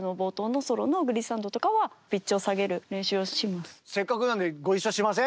なので例えばせっかくなんでご一緒しません？